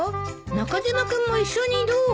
中島君も一緒にどう？